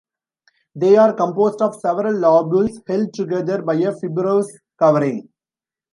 They are composed of several lobules held together by a fibrous covering.